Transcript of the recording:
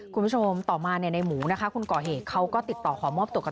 คุณผู้ชมต่อมาเนี่ยในหมูนะคะคนก่อเหตุเขาก็ติดต่อขอมอบตัวกับ